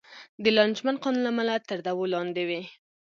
د لانجمن قانون له امله تر دعوو لاندې وې.